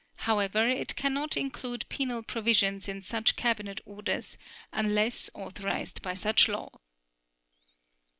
However, it cannot include penal provisions in such cabinet orders unless authorized by such law.